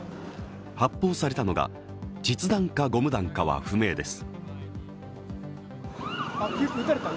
発砲されたのが実弾かゴム弾かは不明です。